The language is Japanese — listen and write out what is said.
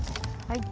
はい。